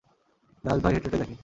দাস ভাই হেঁটে হেঁটে দেখে।